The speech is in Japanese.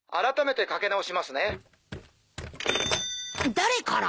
誰から？